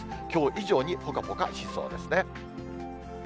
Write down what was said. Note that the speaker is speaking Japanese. きょう以上にぽかぽかしそうですね。